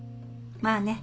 まあね。